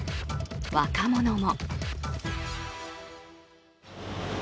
若者も。